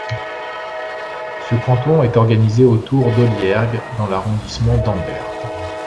Ce canton est organisé autour d'Olliergues dans l'arrondissement d'Ambert.